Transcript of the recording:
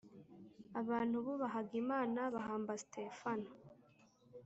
Abantu bubahaga Imana bahamba Sitefano